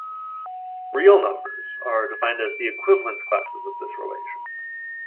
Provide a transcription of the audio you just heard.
Real numbers are defined as the equivalence classes of this relation.